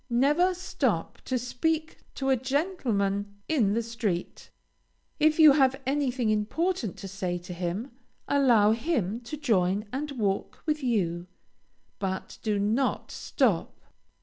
Never stop to speak to a gentleman in the street. If you have anything important to say to him, allow him to join and walk with you, but do not stop.